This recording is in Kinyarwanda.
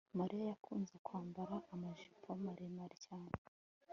mariya akunze kwambara amajipo maremare cyane